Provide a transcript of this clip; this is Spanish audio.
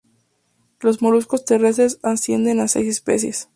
Los moluscos terrestres ascienden a seis especies.